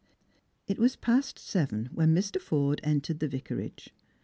It was past seven when Mr. Forde entered the Yicarage.